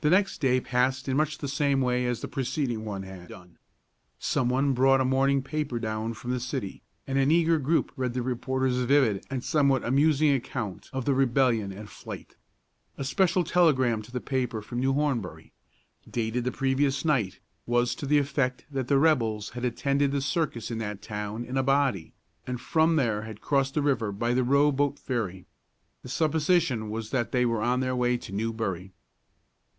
The next day passed in much the same way as the preceding one had done. Some one brought a morning paper down from the city, and an eager group read the reporter's vivid and somewhat amusing account of the rebellion and flight. A special telegram to the paper from New Hornbury, dated the previous night, was to the effect that the rebels had attended the circus at that town in a body, and from there had crossed the river by the rowboat ferry. The supposition was that they were on their way to New Bury.